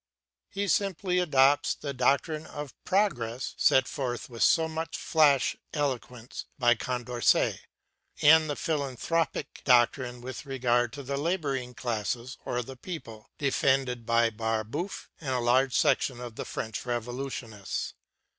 He simply adopts the doctrine of progress set forth with so much flash eloquence by Condorcet, and the philanthropic doctrine with regard to the laboring classes, or the people, defended by Barbeuf and a large section of the French Revolutionists.